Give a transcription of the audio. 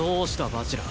蜂楽。